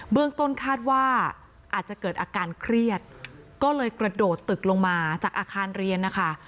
เรื่องต้นคาดว่าอาจจะเกิดอาการเครียดก็เลยกระโดดตึกลงมาจากอาคารเรียนนะคะ